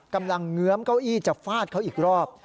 กำลังเหงือมเก้าอี้จากฟาดเขาอีกรอบ